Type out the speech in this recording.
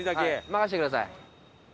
任せてください。